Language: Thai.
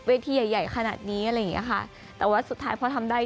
ที่ใหญ่ใหญ่ขนาดนี้อะไรอย่างเงี้ยค่ะแต่ว่าสุดท้ายพอทำได้